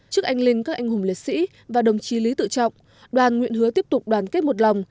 trước anh linh các anh hùng liệt sĩ và đồng chí lý tự trọng đoàn nguyện hứa tiếp tục đoàn kết một lòng